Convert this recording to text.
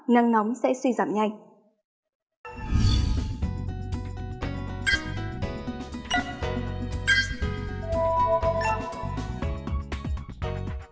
nắng nóng sẽ suy giảm nhanh